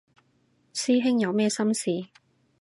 師兄有咩心事